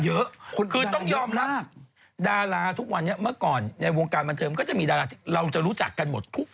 เยอะคือต้องยอมรับดาราทุกวันนี้เมื่อก่อนในวงการบันเทิงก็จะมีดาราที่เราจะรู้จักกันหมดทุก